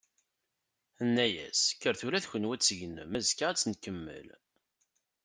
Tenna-as: "Kkret ula d kunwi ad tegnem, azekka ad tt-nkemmel."